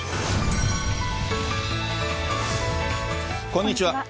こんにちは。